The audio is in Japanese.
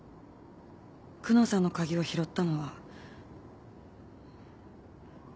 久能さんの鍵を拾ったのは。